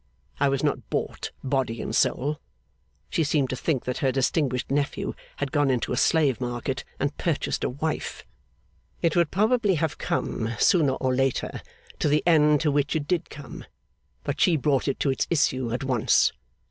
I was not bought, body and soul. She seemed to think that her distinguished nephew had gone into a slave market and purchased a wife. It would probably have come, sooner or later, to the end to which it did come, but she brought it to its issue at once.